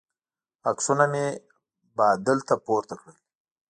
عکسونه مې بادل ته پورته کړل.